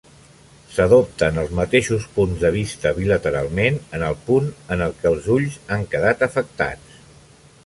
S'adopten els mateixos punts de vista bilateralment en el punt en què els ulls han quedat afectats.